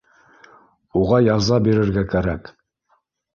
Уға яза бирергә кәрәк